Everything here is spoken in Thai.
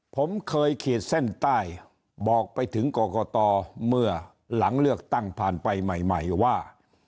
ผมเคยขีดเส้นใต้บอกไปถึงกรกตเมื่อหลังเลือกตั้งผ่านไปใหม่ว่า